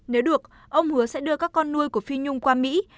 nếu được ông hứa sẽ đưa các con nuôi của phi nhung qua mỹ